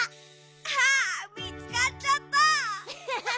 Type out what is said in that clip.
あみつかっちゃった！